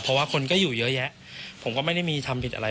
เพราะว่าคนก็อยู่เยอะแยะผมก็ไม่ได้มีทำผิดอะไร